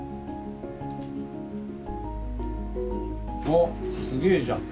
おっすげえじゃん。